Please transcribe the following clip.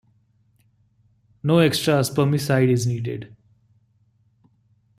No extra spermicide is needed.